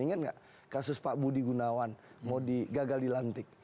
ingat gak kasus pak budi gunawan mau gagal di lantik